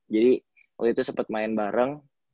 jadi waktu itu sempet main bareng